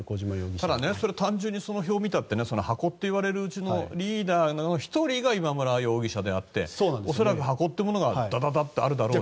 ただ、単純にその表を見たってハコと呼ばれるうちのリーダーの１人が今村容疑者であって恐らくハコってものがだだだってあるだろうし。